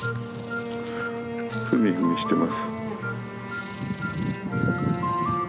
踏み踏みしてます。